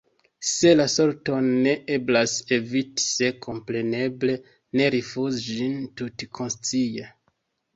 Sed la sorton ne eblas eviti – se, kompreneble, ne rifuzi ĝin tutkonscie.